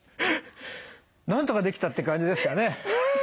なんとかできたって感じですかね。